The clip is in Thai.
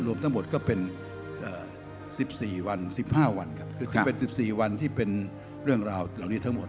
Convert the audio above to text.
รวมทั้งหมดก็เป็นสิบสี่วันสิบห้าวันครับคือจะเป็นสิบสี่วันที่เป็นเรื่องราวเหล่านี้ทั้งหมด